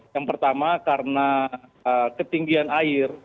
yang pertama karena ketinggian air